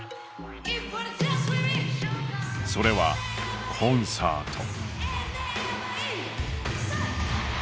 それはコンサート。